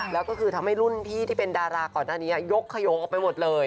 แล้วก็คือทำให้รุ่นพี่ที่เป็นดาราก่อนหน้านี้ยกขยงออกไปหมดเลย